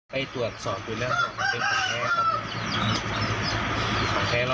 ไปตรวจสอบจุดแรงเป็นของแท้ค่ะ